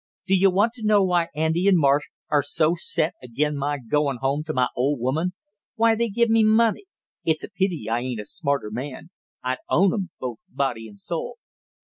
Do you want to know why Andy and Marsh are so set agin my goin' home to my old woman? Why they give me money? It's a pity I ain't a smarter man! I'd own 'em, both body and soul!"